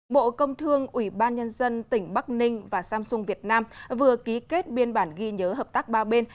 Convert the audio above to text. bộ công thương ủy ban nhân dân tỉnh bắc ninh và samsung việt nam vừa ký kết biên bản ghi nhớ hợp tác ba bên